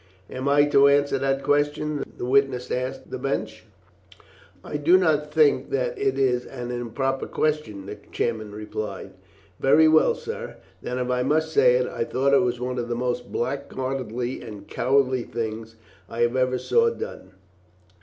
"Am I to answer that question?" the witness asked the bench. "I do not think that it is an improper question," the chairman replied. "Very well, sir. Then, if I must say it, I thought it was one of the most blackguardly and cowardly things I ever saw done."